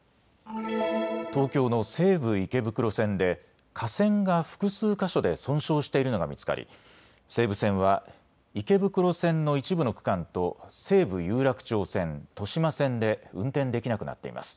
東京の西武池袋線で架線が複数箇所で損傷しているのが見つかり西武線は池袋線の一部の区間と西武有楽町線、豊島線で運転できなくなっています。